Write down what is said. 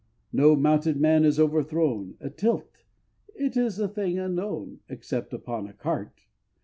No mounted man is overthrown: A tilt! it is a thing unknown Except upon a cart!